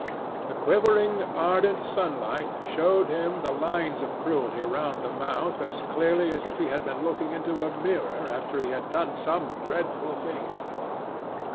The quivering ardent sunlight showed him the lines of cruelty round the mouth as clearly as if he had been looking into a mirror after he had done some dreadful thing.